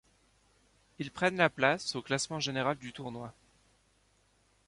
Ils prennent la place au classement général du tournoi.